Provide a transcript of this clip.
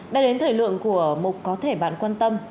đã đến thời lượng của mục có thể bạn quan tâm